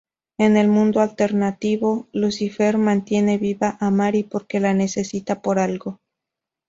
En el mundo alternativo, Lucifer mantiene viva a Mary porque la necesita por algo.